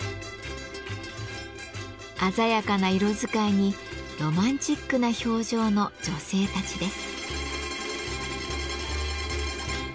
鮮やかな色使いにロマンチックな表情の女性たちです。